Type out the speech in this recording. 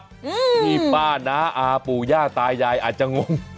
ที่ป้าน้าอาปู่ย่าตายายอาจจะงง